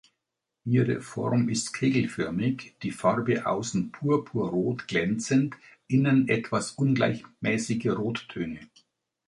Ihre Form ist kegelförmig, die Farbe außen purpurrot glänzend, innen etwas ungleichmäßige Rottöne.